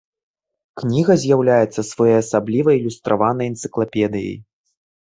Кніга з'яўляецца своеасаблівай ілюстраванай энцыклапедыяй.